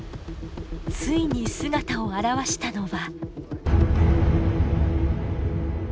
ついに姿を現したのは。